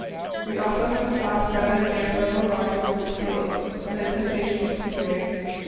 We also had to pass rather near several large groups of seals, and the temptation was too great.